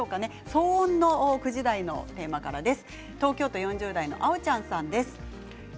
騒音の９時台のテーマからです。